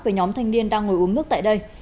về nhóm thanh niên đang ngồi uống nước tại đây